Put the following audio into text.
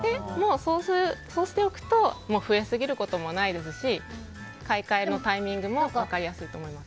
そうしておくと増えすぎることもないですし買い替えのタイミングも分かりやすいと思います。